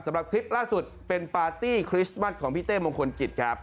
สำหรับคลิปล่าสุดเป็นปาร์ตี้คริสต์มัสของพี่เต้มงคลกิจครับ